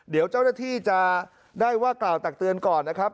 เดี๋ยวเจ้าหน้าที่จะได้ว่ากล่าวตักเตือนก่อนนะครับ